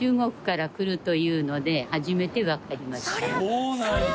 そうなんや！